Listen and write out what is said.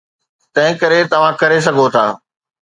تنهنڪري توهان ڪري سگهو ٿا.